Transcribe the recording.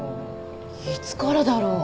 いつからだろう？